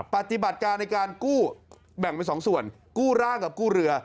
ปฏิบัติการในการกู้แบ่งเป็น๒ส่วนกู้ร่างกับกู้เรือ